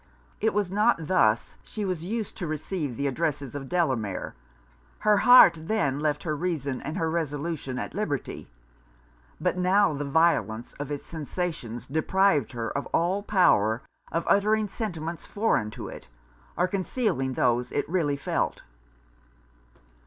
It was not thus she was used to receive the addresses of Delamere: her heart then left her reason and her resolution at liberty, but now the violence of it's sensations deprived her of all power of uttering sentiments foreign to it, or concealing those it really felt.